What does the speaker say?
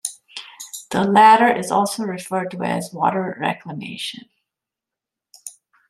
The latter is also referred to as water reclamation.